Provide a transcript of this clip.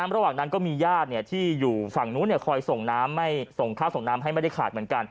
ระหว่างนั้นก็มีญาติที่อยู่ฝั่งนู้นคอยส่งน้ำให้ไม่ขาด